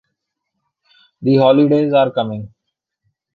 The Holidays are coming!